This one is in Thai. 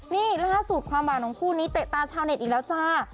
นี่ล่าสุดความหวานของคู่นี้เตะตาชาวเน็ตอีกแล้วจ้า